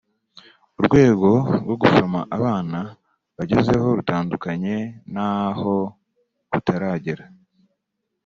urwego rwo gusoma abana bagezeho rutandukanye n’aho butaragera